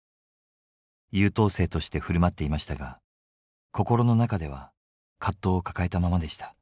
優等生としてふるまっていましたが心の中では葛藤を抱えたままでした。